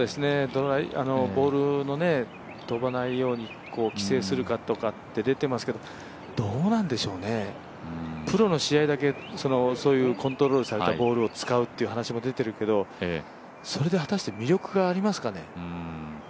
ボールの飛ばないように規制するかとかって出ていますけどどうなんでしょうね、プロの試合だけそういうコントロールされたボールを使うという話も出ているけど、それで果たして魅力がありますかね。